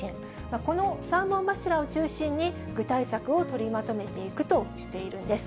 この３本柱を中心に、具体策を取りまとめていくとしているんです。